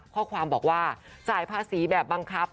ข้อความบอกว่าจ่ายภาษีแบบบังคับ